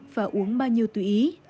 và uống bao nhiêu tùy ý